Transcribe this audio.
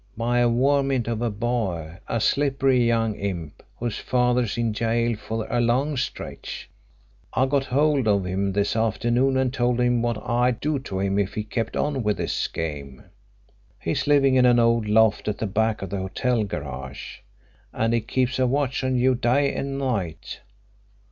"By a varmint of a boy a slippery young imp whose father's in gaol for a long stretch. I got hold of him this afternoon and told him what I'd do to him if he kept on with his game. He's living in an old loft at the back of the hotel garage, and he keeps a watch on you day and night.